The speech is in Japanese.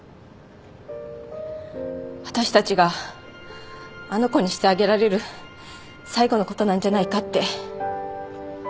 私たちがあの子にしてあげられる最後のことなんじゃないかって。